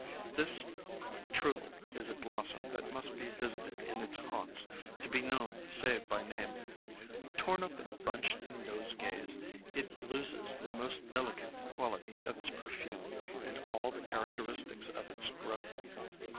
This truly is a blossom that must be visited in its haunts to be known save by name. Torn up and bunched in nosegays, it loses the most delicate quality of its perfume and all the char acteristics of its growth.